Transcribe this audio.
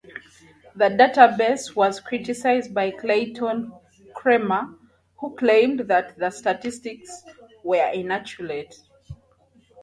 The database was criticized by Clayton Cramer, who claimed that the statistics were inaccurate.